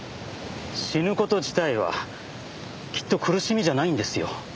死ぬ事自体はきっと苦しみじゃないんですよ。